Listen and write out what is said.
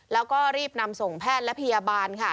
แล้วก็รีบนำส่งแพทย์และพยาบาลค่ะ